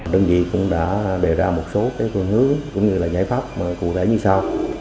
đơn vị cũng đã đề ra một số phương hướng cũng như là giải pháp cụ thể như sau